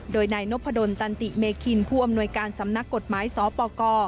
โดยนายนพดลตันติเมคินผู้อำนวยการสำนักกฎหมายสปก